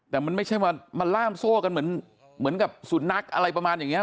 แต่มันไม่ใช่มาล่ามโซ่กันเหมือนกับสุนัขอะไรประมาณอย่างนี้